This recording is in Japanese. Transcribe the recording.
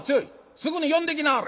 すぐに呼んできなはれ」。